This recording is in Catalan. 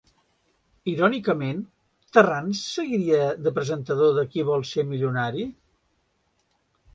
Irònicament Tarrant seguiria de presentador de Qui vol ser milionari?